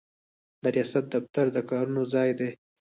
د ریاست دفتر د کارونو ځای دی.